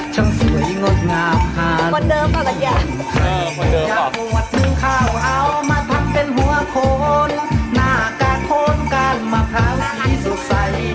ต้องมาเผาสีสุดใส